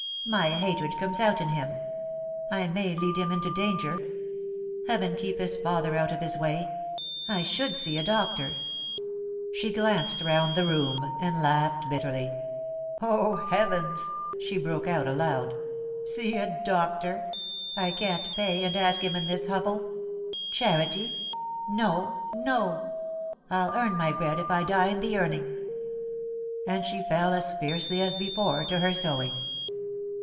"My hatred comes out in him. I may lead him into danger. Heaven keep his father out of his way. I should see a doctor." She glanced round the room and laughed bitterly. "Oh, Heavens'" she broke out aloud. "See a doctor. I can't pay, and ask him in this hovel! Charity? No, no. I'll earn my bread, if I die in the earning." And she fell as fiercely as before to her sewing.